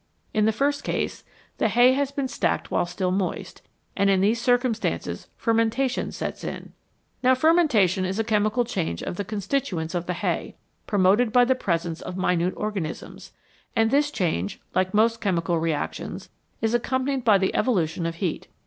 In the first case the hay has been stacked while still moist, and in these circumstances fermentation sets in. Now fermentation is a chemical change of the con stituents of the hay, promoted by the presence of minute organisms, and this change, like most chemical reactions, is accompanied by the evolution of heat.